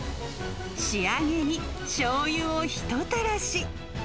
仕上げに、しょうゆをひとたらし。